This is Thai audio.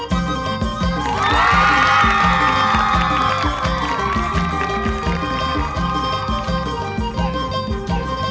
สวัสดีครับ